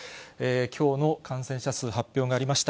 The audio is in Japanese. きょうの感染者数、発表がありました。